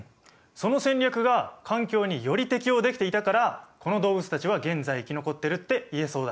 その戦略が環境により適応できていたからこの動物たちは現在生き残ってるって言えそうだ。